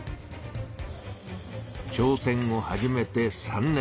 挑戦を始めて３年。